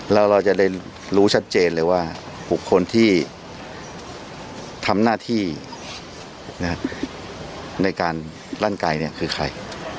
แล้วเราจะได้รู้ชัดเจนเลยว่าบุคคลที่ทำหน้าที่ในการลั่นไกลคือใคร